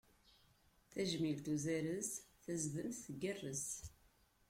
Tajmilt uzarez, tazdemt tgerrez.